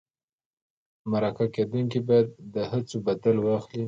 مرکه کېدونکی باید د هڅو بدل واخلي.